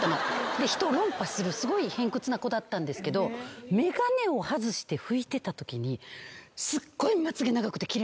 で人を論破するすごい偏屈な子だったんですけど眼鏡を外して拭いてたときに。